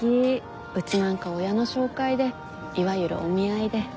うちなんか親の紹介でいわゆるお見合いで。